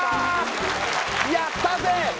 やったぜ！